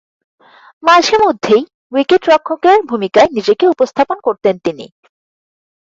মাঝেমধ্যেই উইকেট-রক্ষকের ভূমিকায় নিজেকে উপস্থাপন করতেন তিনি।